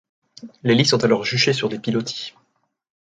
Les lits sont alors juchés sur des pilotis.